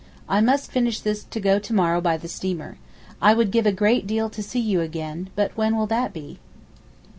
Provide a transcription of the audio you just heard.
I must finish this to go to morrow by the steamer. I would give a great deal to see you again, but when will that be?